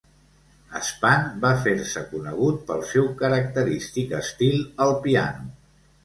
Spann va fer-se conegut pel seu característic estil al piano.